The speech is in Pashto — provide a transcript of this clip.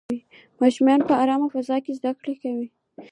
ماشومان په ارامه فضا کې زده کړې کوي.